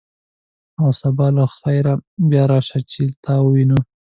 او سبا له خیره بیا راشه، چې تا ووینو.